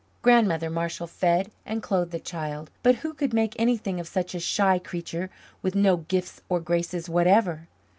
Grandmother Marshall fed and clothed the child, but who could make anything of such a shy creature with no gifts or graces whatever?